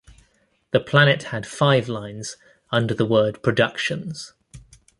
The planet had five lines under the word "Productions".